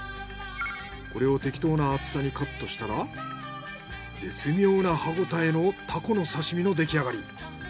これを適当な厚さにカットしたら絶妙な歯ごたえのタコの刺身の出来上がり。